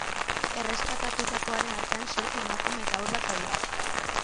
Erreskatatutakoen artean zortzi emakume eta haur bat daude.